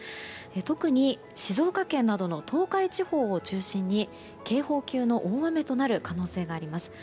特に、静岡県などの東海地方を中心に警報級の大雨となる可能性があります。